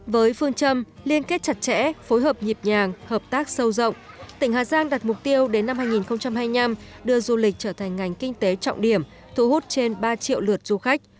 với phương châm liên kết chặt chẽ phối hợp nhịp nhàng hợp tác sâu rộng tỉnh hà giang đặt mục tiêu đến năm hai nghìn hai mươi năm đưa du lịch trở thành ngành kinh tế trọng điểm thu hút trên ba triệu lượt du khách